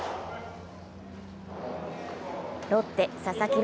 ロッテ・佐々木朗